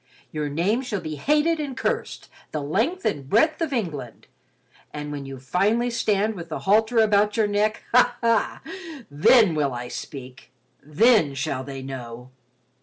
Your name shall be hated and cursed the length and breadth of England, and when you finally stand with the halter about your neck, aha, then will I speak. Then shall they know."